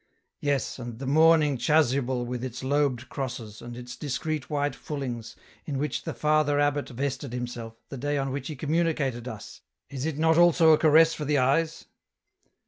" Yes, and the mourning chasuble with its lobed crosses, and its discreet white fullings, in which the Father abbot vested himself, the day on which he communicated us, is not it also a caress for the eyes